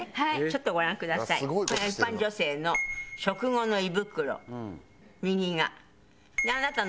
これが一般女性の食後の胃袋右が。